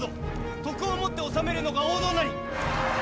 徳をもって治めるのが王道なり！